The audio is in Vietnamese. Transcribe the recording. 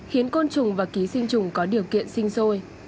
khiến côn trùng và ký sinh trùng có điều kiện sinh sôi